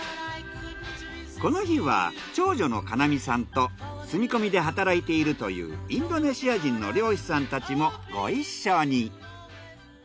この日は長女の奏海さんと住み込みで働いているというインドネシア人の漁師さんたちもご一緒に。